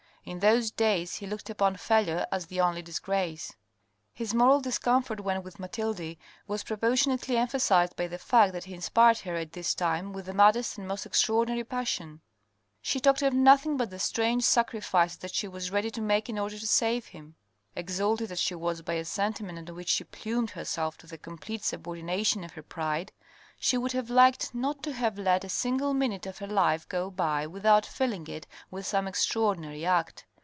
In those days he looked upon failure as the only disgrace. His moral discomfort when with Mathilde was proportion ately emphasized by the fact that he inspired her at this time with the maddest and most extraordinary passion. She talked of nothing but the strange sacrifices that she was ready to make in order to save him. THE INTRIGUE 485 Exalted as she was by a sentiment on which she plumed herself, to the complete subordination of her pride, she would have liked not to have let a single minute of her life go by without filling it with some extraordinary act.